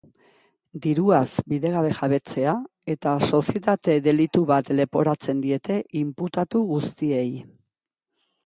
Diruaz bidegabe jabetzea eta sozietate delitu bat leporatzen diete inputatu guztiei.